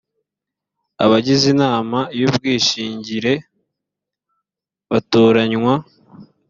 abagize inama y ubwishingire batoranywa